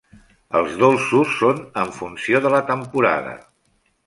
Els dolços són en funció de la temporada.